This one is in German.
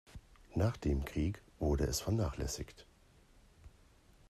Nach dem Krieg wurde es vernachlässigt.